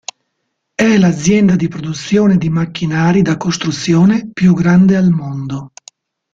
È l'azienda di produzione di macchinari da costruzione più grande al mondo..